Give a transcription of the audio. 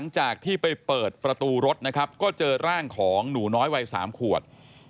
จากที่ไปเปิดประตูรถนะครับก็เจอร่างของหนูน้อยวัย๓ขวบ